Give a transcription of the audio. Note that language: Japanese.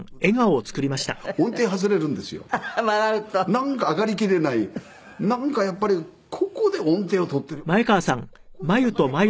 なんか上がりきれないなんかやっぱりここで音程を取っている私はここで音程を取っている。